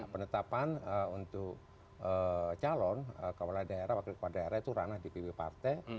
penetapan untuk calon kepala daerah wakil kepala daerah itu ranah dpp partai